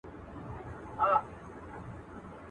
چي تر ملکه دي کړه، ورکه دي کړه.